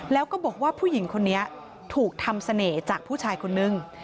แล้วก็บอกว่าผู้หญิงคนนี้ถูกทำเสน่ห์จากผู้ชายคนนึง